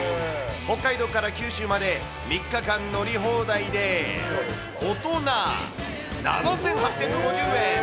北海道から九州まで３日間乗り放題で、大人７８５０円。